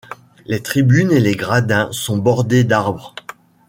Les tribunes et les gradins sont bordés d’arbres.